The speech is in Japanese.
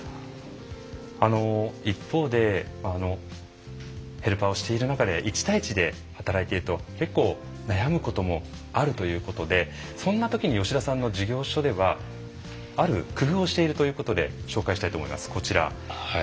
一方でヘルパーをしている中で一対一で働いていると結構悩むこともあるということでそんなときに吉田さんの事業所ではある工夫をしているということで紹介したいと思います。